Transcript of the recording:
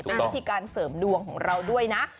เป็นวิธีการเสริมดวงของเราด้วยนะ